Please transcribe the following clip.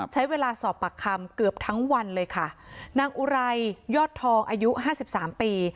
ใช้เวลาสอบปากคำเกือบทั้งวันเลยค่ะนางอุไรยอดทองอายุห้าสิบสามปี